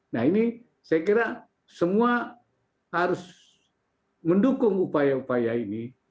nah ini saya kira semua harus mendukung upaya upaya ini